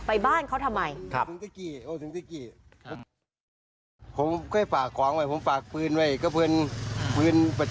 ไปบ้านเขาทำไมครับ